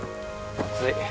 暑い。